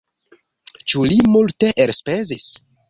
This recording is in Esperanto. Ĉu li multe elspezis?